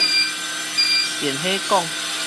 電火管